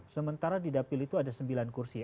sementara di dapil itu ada sembilan kursi ya